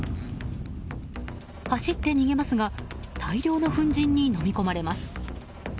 走って逃げますが大量の粉じんにのみ込まれます。